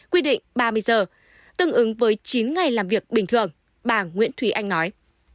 quy định ba mươi giờ tương ứng với chín ngày làm việc bình thường bà nguyễn thúy anh nói